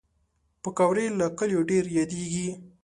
پکورې له کلیو ډېر یادېږي